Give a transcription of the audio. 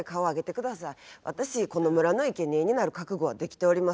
私この村のいけにえになる覚悟はできております。